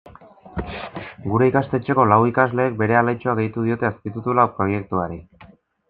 Gure ikastetxeko lau ikasleek bere aletxoa gehitu diote azpitituluak proiektuari.